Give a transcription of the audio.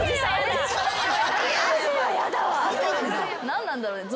何なんだろうね